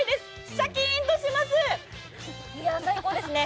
シャキーンとします、最高ですね。